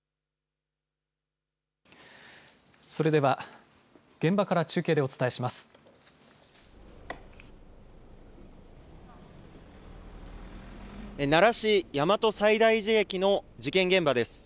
それでは現場から中継でお伝えします。